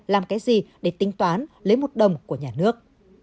làm cái gì để tính toán lấy một đồng của nhà nước